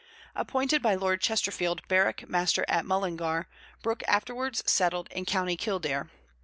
Appointed by Lord Chesterfield barrack master at Mullingar, Brooke afterwards settled in Co. Kildare.